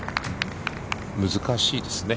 難しいですね。